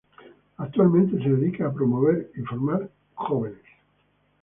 Actualmente se dedica a promover y formar jóvenes.